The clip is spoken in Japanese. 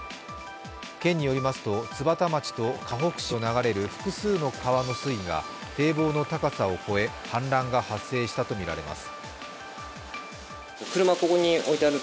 県によりますと、津幡町とかほく市を流れる複数の川の水位が堤防の高さを越え、氾濫が発生したとみられます。